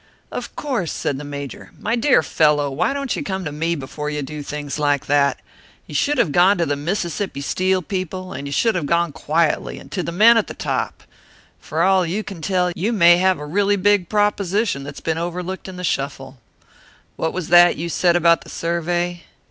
"Of course!" said the Major. "My dear fellow, why don't you come to me before you do things like that? You should have gone to the Mississippi Steel people; and you should have gone quietly, and to the men at the top. For all you can tell, you may have a really big proposition that's been overlooked in the shuffle. What was that you said about the survey?"